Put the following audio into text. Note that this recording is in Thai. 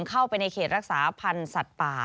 เข้าไปในเขตรักษาพันธ์สัตว์ป่า